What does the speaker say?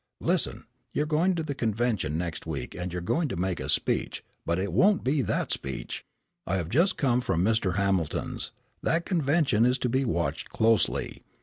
Listen, you're going to the convention next week and you're going to make a speech, but it won't be that speech. I have just come from Mr. Hamilton's. That convention is to be watched closely.